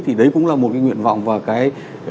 thì đấy cũng là một cái nguyện vọng và cái